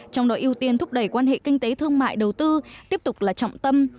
trong đó ưu tiên thúc đẩy quan hệ kinh tế thương mại đầu tư tiếp tục là trọng tâm